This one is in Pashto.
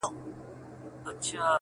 o هر څوک وايي، چي زما د غړکي خوند ښه دئ!